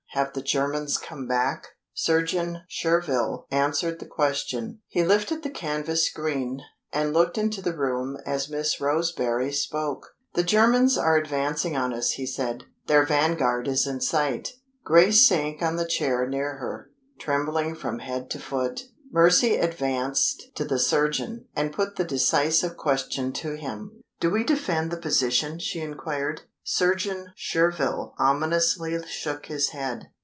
Have the Germans come back?" Surgeon Surville answered the question. He lifted the canvas screen, and looked into the room as Miss Roseberry spoke. "The Germans are advancing on us," he said. "Their vanguard is in sight." Grace sank on the chair near her, trembling from head to foot. Mercy advanced to the surgeon, and put the decisive question to him. "Do we defend the position?" she inquired. Surgeon Surville ominously shook his head.